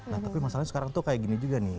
nah tapi masalahnya sekarang tuh kayak gini juga nih